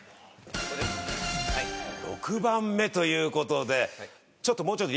６番目ということで。